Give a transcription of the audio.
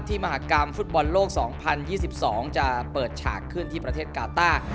มหากรรมฟุตบอลโลก๒๐๒๒จะเปิดฉากขึ้นที่ประเทศกาต้า